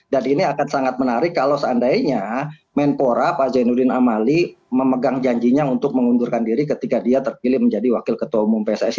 dan ini akan sangat menarik kalau seandainya menpora pak zainuddin amali memegang janjinya untuk mengundurkan diri ketika dia terpilih menjadi wakil ketua umum pssi